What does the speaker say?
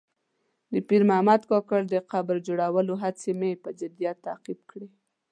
د پیر محمد کاکړ د قبر جوړولو هڅې مې په جدیت تعقیب کړې.